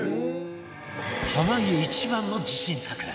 濱家一番の自信作！